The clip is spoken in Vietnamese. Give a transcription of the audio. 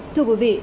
thưa quý vị